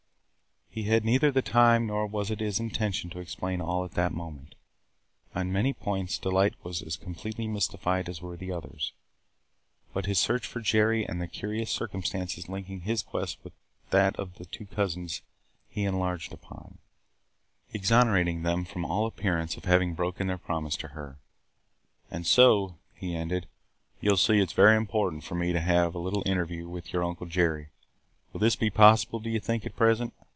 He had neither the time nor was it his intention to explain all at that moment. On many points Delight was as completely mystified as were the others. But his search for Jerry and the curious circumstances linking his quest with that of the two cousins he enlarged upon, exonerating them from all appearance of having broken their promise to her. "And so," he ended, "you see that it is very important for me to have a little interview with your Uncle Jerry. Will this be possible, do you think, at present?